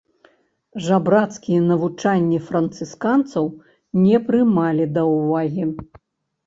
Жабрацкія навучанні францысканцаў не прымалі да ўвагі.